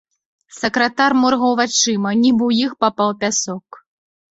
Сакратар моргаў вачыма, нібы ў іх папаў пясок.